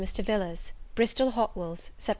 MR. VILLARS. Bristol Hotwells, Sept.